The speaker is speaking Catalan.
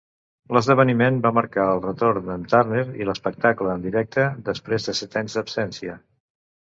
L"esdeveniment va marcar el retorn de"n Turner a l"espectacle en directe després de set anys d"absència.